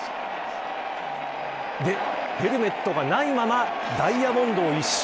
ヘルメットがないままダイヤモンドを一周。